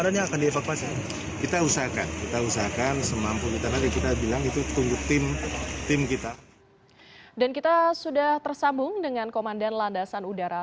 dan kita sudah tersambung dengan komandan landasan udara